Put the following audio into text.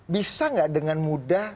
bisa tidak dengan mudah